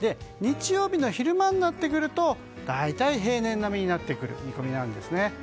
日曜日の昼間になってくると大体平年並みになってくる見込みなんですね。